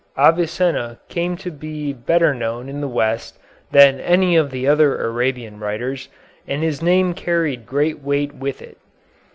Avicenna came to be better known in the West than any of the other Arabian writers, and his name carried great weight with it.